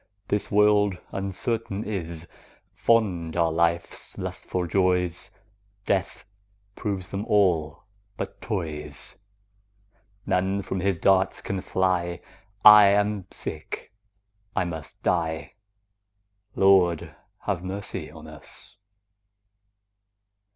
This world uncertain is: Fond are life's lustful joys, Death proves them all but toys. None from his darts can fly; 5 I am sick, I must die— Lord, have mercy on us!